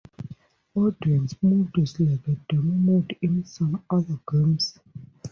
Audience mode is like a demo mode in some other games.